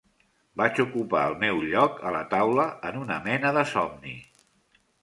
Vaig ocupar el meu lloc a la taula en una mena de somni.